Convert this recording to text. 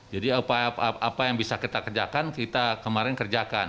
jadi apa yang bisa kita kerjakan kita kemarin kerjakan